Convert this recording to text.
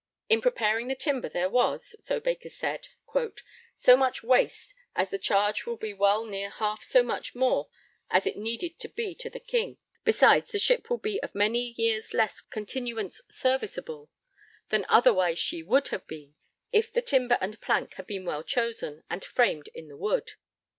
In preparing the timber there was, so Baker said, so much waste as the charge will be well near half so much more as it needed to be to the King; besides the ship will be of many years less continuance serviceable than otherwise she would have been if the timber and plank had been well chosen, and framed in the wood.